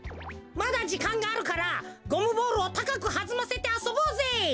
まだじかんがあるからゴムボールをたかくはずませてあそぼうぜ！